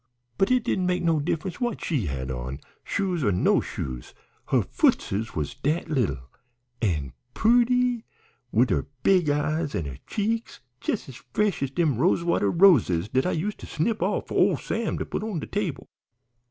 But it didn't make no diff'ence what she had on shoes or no shoes her footses was dat lil. An' purty! Wid her big eyes an' her cheeks jes' 's fresh as dem rosewater roses dat I used to snip off for ole Sam to put on de table.